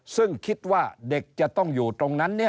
ซึ่งคิดว่าเด็กจะต้องอยู่ตรงนั้น